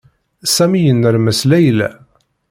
Sami yennermes Layla.